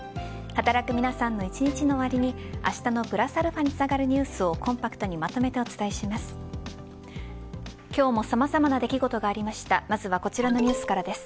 働く皆さんの１日の終わりにあしたのプラスαにつながるニュースをコンパクトにまとめてお伝えします。